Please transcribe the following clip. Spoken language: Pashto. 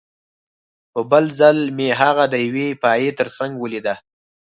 په بل ځل مې هغه د یوې پایې ترڅنګ ولیده